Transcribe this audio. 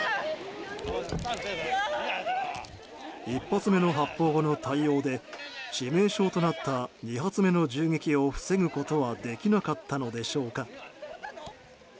１発目の発砲後の対応で致命傷となった２発目の銃撃を防ぐことはできなかったのでしょうか。